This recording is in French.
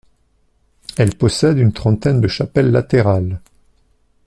Elle possède une trentaine de chapelles latérales.